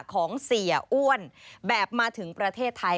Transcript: ของเสียอ้วนแบบมาถึงประเทศไทย